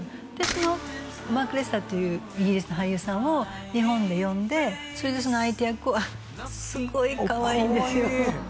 そのマーク・レスターっていうイギリスの俳優さんを日本へ呼んでそれでその相手役をあっすごいかわいいんですよ